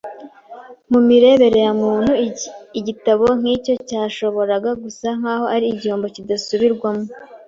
Mu mirebere ya kimuntu igitambo nk'icyo cyashoboraga gusa nk'aho ari igihombo kidasubirwamo